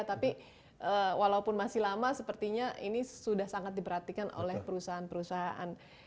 tapi walaupun masih lama sepertinya ini sudah sangat diperhatikan oleh perusahaan perusahaan